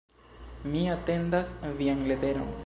Mi atendas vian leteron.